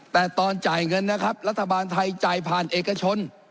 แต่ตอนจ่ายเงินนะครับรัฐบาลไทยจ่ายผ่านเอกชน